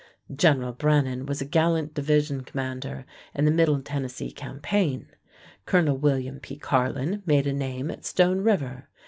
General Brannan was a gallant division commander in the Middle Tennessee campaign. Colonel William P. Carlin made a name at Stone River.